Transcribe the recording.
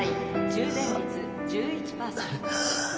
充電率１１％」。